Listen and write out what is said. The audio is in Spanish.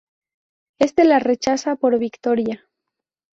Este la rechaza por Victoria.